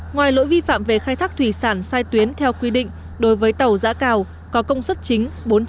ngoài lỗi vi phạm về khai thác thủy sản sai tuyến theo quy định đối với tàu giã cào có công suất chính